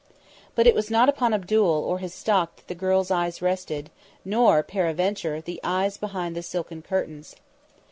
But it was not upon Abdul or his stock that the girl's eyes rested, nor, peradventure, the eyes behind the silken curtains.